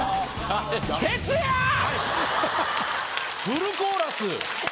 フルコーラス。